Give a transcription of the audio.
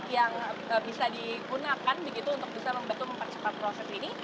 yang bisa digunakan begitu untuk bisa membantu mempercepat proses ini